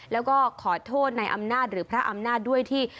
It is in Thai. แล้วก็ขอโทษในอำนาจหรือพระอำนาจด้วยที่